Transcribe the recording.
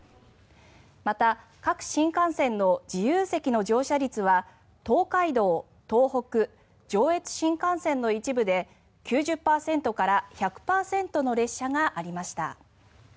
また、各新幹線の自由席の乗車率は東海道・東北・上越新幹線の一部で９０％から１００％の列車がありました。